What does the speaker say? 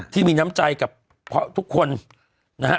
ที่มีน้ำใจกับทุกคนนะฮะ